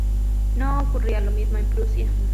No ocurría lo mismo en Prusia.